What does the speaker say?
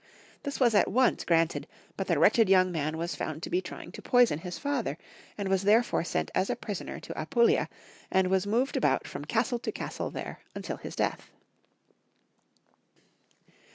This was at once granted, but the wretched young man was found to be tryiQg to poison his father, and was therefore sent Friedrich IL 177 as a prisoner to Apulia, and was moved about from castle to castle there until his death.